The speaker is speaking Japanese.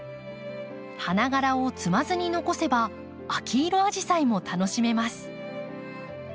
花がらを摘まずに残せば秋色アジサイも楽しめます。